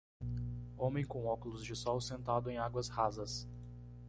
Homem com óculos de sol sentado em águas rasas